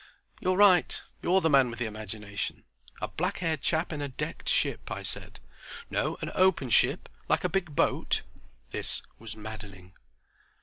"You're right. You're the man with imagination. A black haired chap in a decked ship," I said. "No, an open ship—like a big boat." This was maddening.